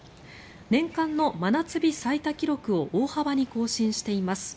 年間の真夏日最多記録を大幅に更新しています。